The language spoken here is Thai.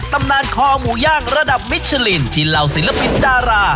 ตำนานคอหมูย่างระดับมิชลินที่เหล่าศิลปินดารา